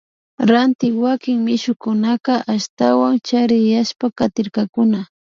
Ranti wakin mishukunaka ashtawan chariyashpa katirkakuna